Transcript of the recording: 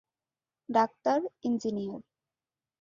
Doctor, engineer.